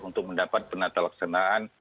untuk mendapat penatalaksanaan